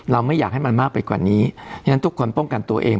ไม่อยากให้มันมากไปกว่านี้ฉะนั้นทุกคนป้องกันตัวเอง